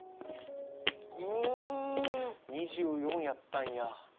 ２４やったんや。